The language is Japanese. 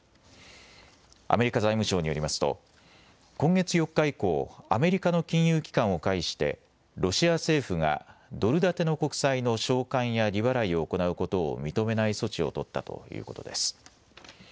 アメリカ財務省によりますと今月４日以降、アメリカの金融機関を介してロシア政府がドル建ての国債の償還や利払いを行うことを認めない措置を取ったということです。